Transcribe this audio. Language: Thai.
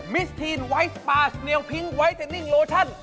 มิสทีนไวท์ปาสเนียวพิ้งวาร์เซนก์โรชัน